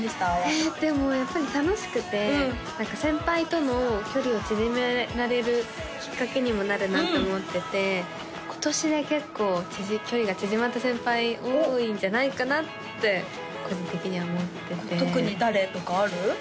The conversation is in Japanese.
えでもやっぱり楽しくて先輩との距離を縮められるきっかけにもなるなって思ってて今年で結構距離が縮まった先輩多いんじゃないかなって個人的には思ってて特に誰とかある？